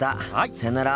さよなら。